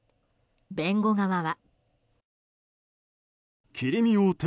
弁護側は。